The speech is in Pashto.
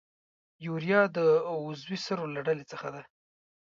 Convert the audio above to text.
یوریا د عضوي سرو له ډلې څخه ده.